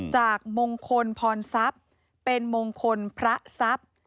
จากมงคลพรทรัพย์เป็นมงคลพระทรัพย์